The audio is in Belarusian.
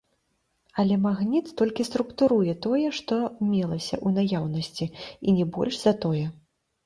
Але магніт толькі структуруе тое, што мелася ў наяўнасці, і не больш за тое.